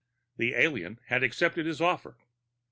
The alien had accepted his offer.